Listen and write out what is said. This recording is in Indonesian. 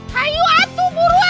hayu atuh buruan